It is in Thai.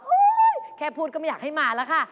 แค่พูดก็ไม่อยากให้มาแล้วค่ะ